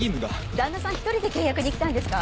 旦那さん１人で契約に来たんですか？